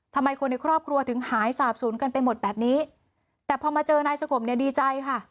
ทำไมคนในครอบครัวถึงหายสาบศูนย์กันไปหมดแบบนี้แต่พอมาเจอนายสงบเนี่ยดีใจค่ะ